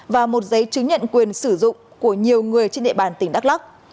và một giấy chứng nhận quyền sử dụng của nhiều người trên địa bàn tp hcm